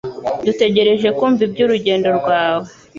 Dutegereje kumva ibyurugendo rwawe